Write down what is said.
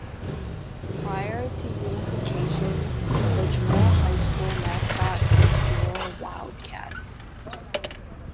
Prior to unification, the Jewell High School mascot was Jewell Wildcats.